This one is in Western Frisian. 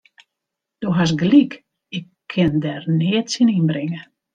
Do hast gelyk, ik kin der neat tsjin ynbringe.